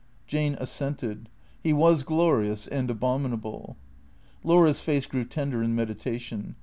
Jane assented. He was glorious and abominable. Laura's face grew tender in meditation.